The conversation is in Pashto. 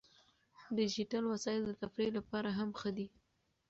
ډیجیټل وسایل د تفریح لپاره هم ښه دي.